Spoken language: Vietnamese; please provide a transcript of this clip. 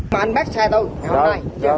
mà anh bác xe tôi hỏi này